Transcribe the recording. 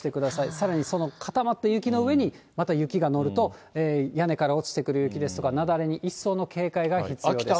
さらにその固まった雪の上にまた雪が載ると、屋根から落ちてくる雪ですとか、雪崩に一層の警戒が必要です。